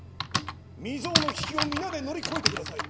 未曽有の危機を皆で乗り越えてください！